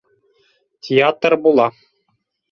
Театр була.